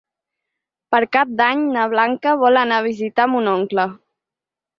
Per Cap d'Any na Blanca vol anar a visitar mon oncle.